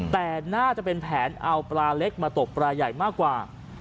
แต่น่าจะเป็นแผนเอาปลาเล็กมาตกปลาใหญ่มากกว่า